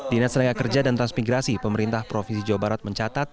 dinas tenaga kerja dan transmigrasi pemerintah provinsi jawa barat mencatat